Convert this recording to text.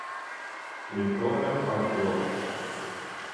Mykola Pavlov